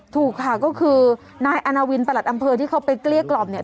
ถูกค่ะก็คือนายอาณาวินประหลัดอำเภอที่เขาไปเกลี้ยกล่อมเนี่ย